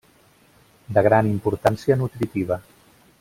De gran importància nutritiva.